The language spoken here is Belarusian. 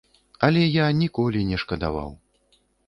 Але я ніколі не шкадаваў.